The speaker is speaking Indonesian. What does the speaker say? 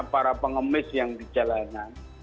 para pengemis yang di jalanan